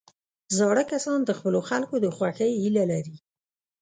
زاړه کسان د خپلو خلکو د خوښۍ هیله لري